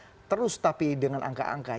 kita terus tapi dengan angka angka